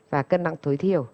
và cân nặng tối thiểu